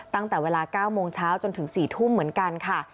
ตั้งแต่เวลา๙โมงเช้าจนถึง๔ทุ่มเหมือนกันค่ะ